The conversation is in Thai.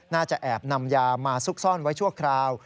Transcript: น่าจะแอบนำยามาซุกซ่อนไว้ชั่วคราว